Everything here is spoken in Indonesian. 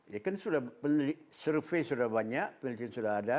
ya kan sudah survei sudah banyak penelitian sudah ada